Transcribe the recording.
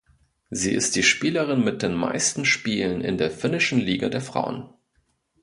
Sie ist die Spielerin mit den meisten Spielen in der finnischen Liga der Frauen.